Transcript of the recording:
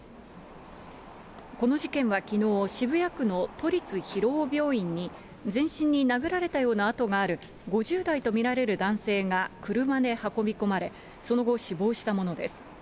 この事件はきのう、渋谷区の都立広尾病院に、全身に殴られたような跡がある５０代と見られる男性が車で運び込まれ、その後、死亡したものです。